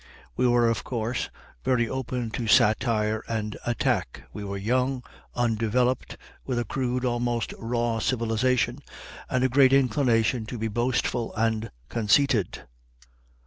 We were, of course, very open to satire and attack. We were young, undeveloped, with a crude, almost raw civilization, and a great inclination to be boastful and conceited.